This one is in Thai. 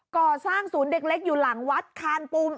ก่อสร้างศูนย์เด็กเล็กอยู่หลังวัดคานปุ่ม